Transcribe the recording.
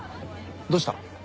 どうした？